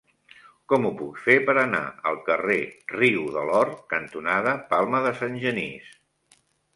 Com ho puc fer per anar al carrer Riu de l'Or cantonada Palma de Sant Genís?